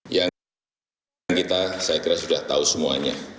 yang kita saya kira sudah tahu semuanya